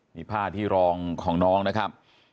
นี่ผ้าที่รองของน้องนะครับ